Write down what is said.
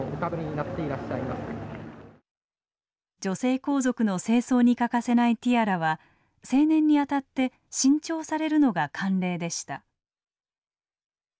女性皇族の正装に欠かせないティアラは成年にあたって新調されるのが慣例でした。